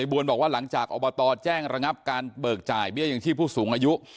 บวนบอกว่าหลังจากอบตแจ้งระงับการเบิกจ่ายเบี้ยยังชีพผู้สูงอายุ